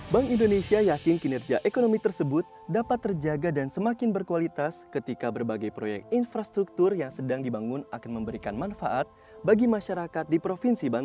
bank indonesia yakin kinerja ekonomi tersebut dapat terjaga dan semakin berkualitas ketika berbagai proyek infrastruktur yang sedang dibangun akan memberikan manfaat bagi masyarakat di provinsi bali